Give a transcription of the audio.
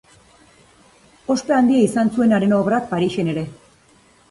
Ospe handia izan zuen haren obrak Parisen ere.